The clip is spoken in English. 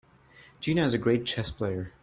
Gina is a great chess player.